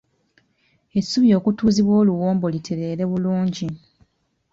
Essubi okutuuzibwa oluwombo lutereere bulungi.